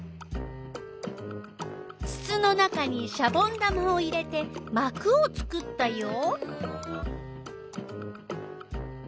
つつの中にシャボン玉を入れてまくを作ったよ。